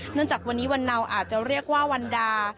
จากวันนี้วันเนาอาจจะเรียกว่าวันดา